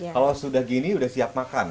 kalau sudah gini sudah siap makan